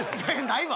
ないわ。